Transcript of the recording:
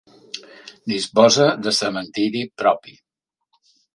Disposa de cementiri propi.